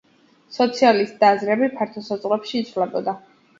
სოციალისტთა აზრები ფართო საზღვრებში იცვლებოდა.